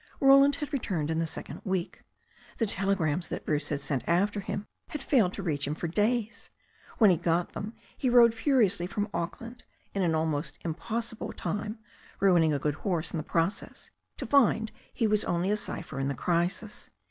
Roland had returned in the second week. The telegrams that Bruce had sent after him had failed to reach him for days. When he got them he rode furiously from Auckland in an almost impossible time, ruining a good horse in the process, to find he was only a cipher in the crisis.